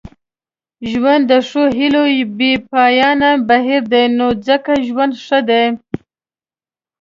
ژوند د ښو هیلو یو بې پایانه بهیر دی نو ځکه ژوند ښه دی.